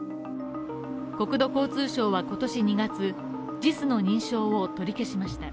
国土交通省は今年２月、ＪＩＳの認証を取り消しました。